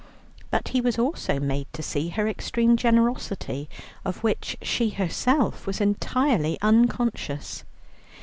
But he was also made to see her extreme generosity, of which she herself was entirely unconscious.